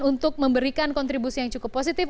untuk memberikan kontribusi yang cukup positif